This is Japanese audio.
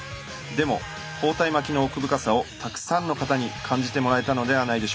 でも包帯巻きの奥深さをたくさんの方に感じてもらえたのではないでしょうか。